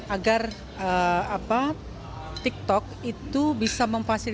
agar tiktok itu bisa memfasilitasi